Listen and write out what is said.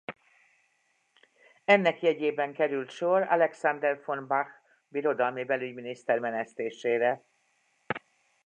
Ennek jegyében került sor Alexander von Bach birodalmi belügyminiszter menesztésére.